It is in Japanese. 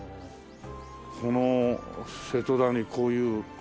この瀬戸田にこういう。